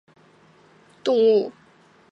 樟木爬赛蛛为蟹蛛科花蛛属的动物。